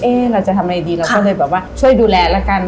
เราจะทำอะไรดีเราก็เลยแบบว่าช่วยดูแลแล้วกัน